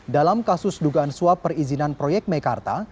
dalam kasus dugaan suap perizinan proyek meikarta